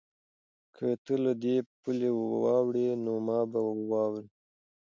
که ته له دې پولې واوړې نو ما به واورې؟